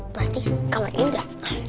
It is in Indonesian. berarti kamar indra